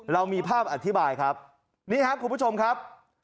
เรามีภาพอธิบายครับนี่ครับคุณผู้ชมครับ